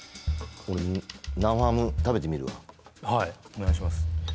俺生ハム食べてみるわはいお願いします